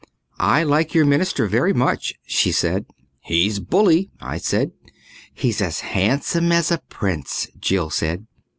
"I like your minister very much," she said. "He's bully," I said. "He's as handsome as a prince," Jill said.